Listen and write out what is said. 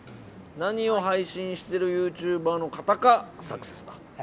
何を配信しているユーチューバーの方かサクセスだ。